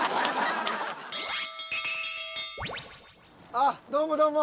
あっどうもどうも！